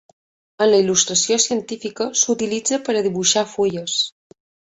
En la il·lustració científica s'utilitza per a dibuixar fulles.